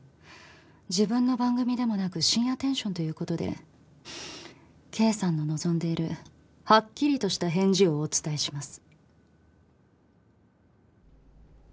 自分の番組でもなく深夜テンションという事でＫさんの望んでいるはっきりとした返事をお伝えします。